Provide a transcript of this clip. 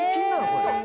これ。